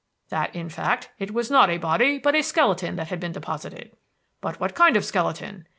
That, in fact, it was not a body, but a skeleton, that had been deposited. "But what kind of skeleton?